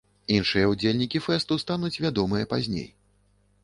Іншыя ўдзельнікі фэсту стануць вядомыя пазней.